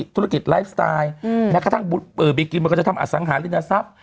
ธุรกิจไลฟ์สไตล์แม้กระทั่งบีกิมันก็จะทำอสังหารินทรัพย์